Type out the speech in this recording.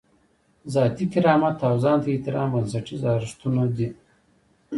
ذاتي کرامت او ځان ته احترام بنسټیز ارزښتونه دي.